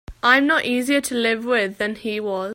I'm not easier to live with than he was.